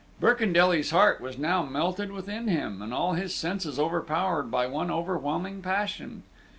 Birkendelly's heart was now melted within him, and all his senses overpowered by one overwhelming passion.